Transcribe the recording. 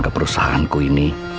ke perusahaanku ini